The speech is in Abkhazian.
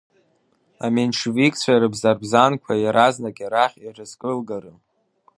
Аменшевикцәа рыбзарбзанқәа иаразнак арахь ирызкылгарым.